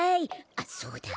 あっそうだ。